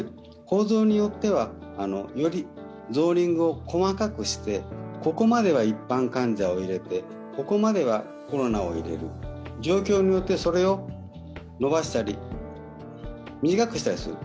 構造によっては、よりゾーニングを細かくしてここまでは一般患者を入れて、ここまではコロナを入れる、状況によって、それを伸ばしたり短くしたりする。